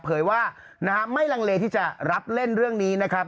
เผยว่านะฮะไม่ลังเลที่จะรับเล่นเรื่องนี้นะครับ